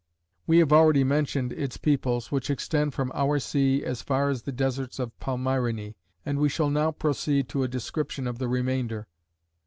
We have already mentioned ^^ its peoples, which extend from our sea as far as the deserts of Palmyrene, and we shall now proceed to a description of the remainder.